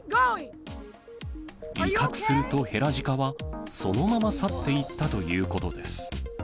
威嚇するとヘラジカは、そのまま去っていったということです。